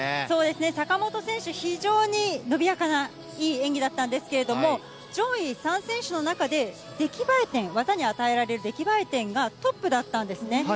そうですね、坂本選手、非常に伸びやかないい演技だったんですけれども、上位３選手の中で、出来栄え点、技に与えられる出来栄え点がトップだったんですね。